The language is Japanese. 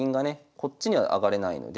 こっちには上がれないので。